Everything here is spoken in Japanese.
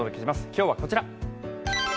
今日はこちら。